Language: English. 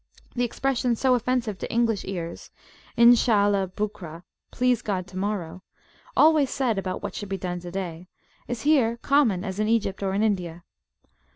The expression, so offensive to English ears, Inshallah BukraPlease God, tomorrowalways said about what should be done to day, is here common as in Egypt or in India.